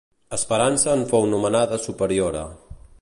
Esperança en fou nomenada superiora.